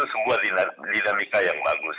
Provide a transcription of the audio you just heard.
sebuah dinamika yang bagus